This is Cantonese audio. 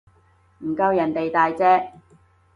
唔夠人哋大隻